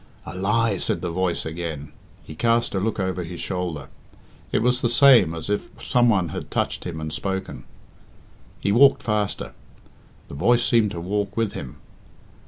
"A lie!" said the voice again. He cast a look over his shoulder. It was the same as if some one had touched him and spoken. He walked faster. The voice seemed to walk with him.